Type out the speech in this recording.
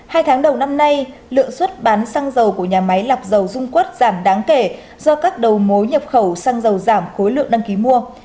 hai tháng đầu năm nay lượng xuất bán xăng dầu của nhà máy lọc dầu dung quất giảm đáng kể do các đầu mối nhập khẩu xăng dầu giảm khối lượng đăng ký mua